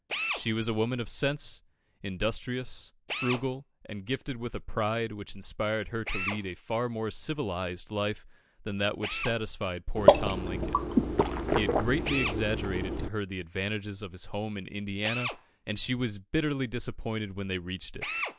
She was a woman of sense, industrious, frugal, and gifted with a pride which inspired her to lead a far more civilised life than that which satisfied poor Tom Lincoln. He had greatly exaggerated to her the advantages of his home in Indiana, and she was bitterly disappointed when they reached it.